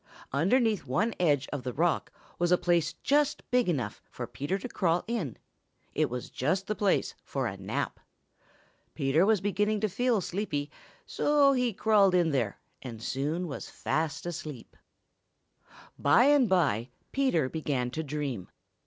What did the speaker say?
Underneath one edge of the rock was a place just big enough for Peter to crawl in it was just the place for a nap. Peter was beginning to feel sleepy, so he crawled in there and soon was fast asleep. By and by Peter began to dream.